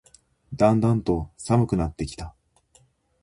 だんだんと寒くなってきた